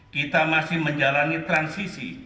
kita masih menjalani transisi